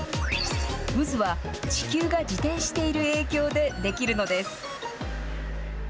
渦は地球が自転している影響で出来るのです。